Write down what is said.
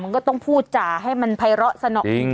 มันก็ต้องพูดจ่าให้มันภัยร้อสนอก